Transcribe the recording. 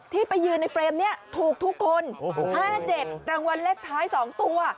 ที่ไปยืนในเฟรมนี้ถูกทุกคน๕๗รางวัลเลขท้าย๒ตัว